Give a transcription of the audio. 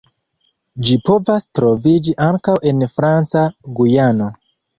Ĝi povas troviĝi ankaŭ en Franca Gujano.